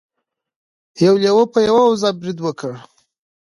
یو لیوه په یوه وزه برید وکړ.